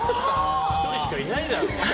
１人しかいないだろ。